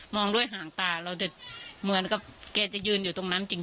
ด้วยหางตาเราจะเหมือนกับแกจะยืนอยู่ตรงนั้นจริง